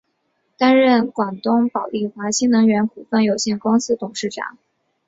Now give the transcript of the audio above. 担任广东宝丽华新能源股份有限公司董事长。